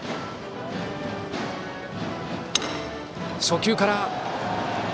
初球から。